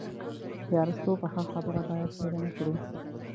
د ارسطو پخه خبره باید هېره نه کړو.